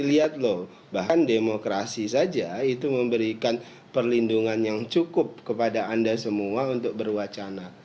lihat loh bahkan demokrasi saja itu memberikan perlindungan yang cukup kepada anda semua untuk berwacana